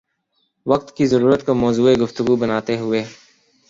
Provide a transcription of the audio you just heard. وقت کی ضرورت کو موضوع گفتگو بناتے ہوئے